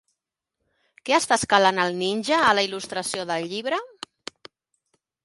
Què està escalant el ninja a la il·lustració del llibre?